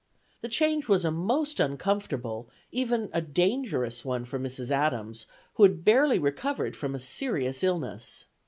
The change was a most uncomfortable, even a dangerous one for Mrs. Adams, who had barely recovered from a serious illness.